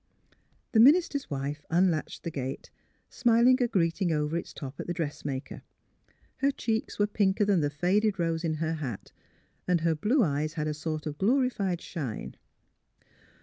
The minister's wife unlatched the gate, smiling a greeting over its top at the dressmaker. Her cheeks were pinker than the faded rose in her hat and her blue eyes had a sort of glorified shine.